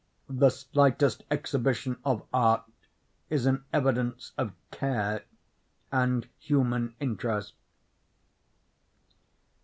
The slightest exhibition of art is an evidence of care and human interest."